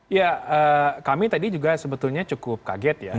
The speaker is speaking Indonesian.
ya kami tadi juga sebetulnya cukup kaget ya